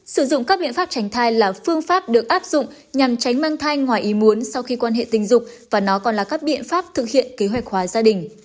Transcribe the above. sử dụng các biện pháp tránh thai là phương pháp được áp dụng nhằm tránh mang thai ngoài ý muốn sau khi quan hệ tình dục và nó còn là các biện pháp thực hiện kế hoạch hòa gia đình